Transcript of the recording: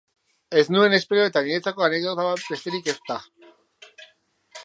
Ez nuen espero eta niretzako anekdota bat besterik ez da.